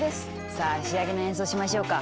さあ仕上げの演奏しましょうか。